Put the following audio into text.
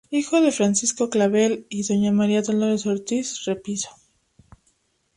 Hijo de Francisco Clavell y doña María Dolores Ortiz-Repiso.